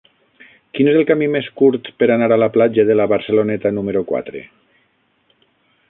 Quin és el camí més curt per anar a la platja de la Barceloneta número quatre?